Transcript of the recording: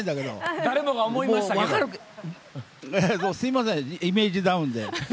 すみませんイメージダウンで。